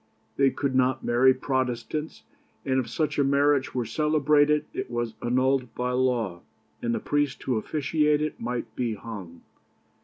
They could not marry Protestants, and if such a marriage were celebrated it was annulled by law, and the priest who officiated might be hung.